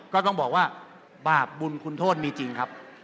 ก็ต้องบอกว่าบาปบุญคุณโทษมีจริงครับ